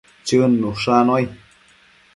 Chëd nushannuai